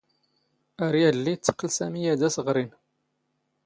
ⴰⵔ ⵢⴰⴷⵍⵍⵉ ⵉⵜⵜⵇⵇⵍ ⵙⴰⵎⵉ ⴰⴷ ⴰⵙ ⵖⵔⵉⵏ.